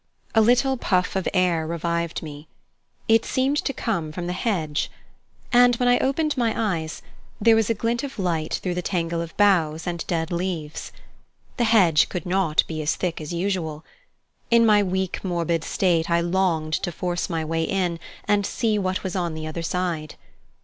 A little puff of air revived me. It seemed to come from the hedge; and, when I opened my eyes, there was a glint of light through the tangle of boughs and dead leaves. The hedge could not be as thick as usual. In my weak, morbid state, I longed to force my way in, and see what was on the other side.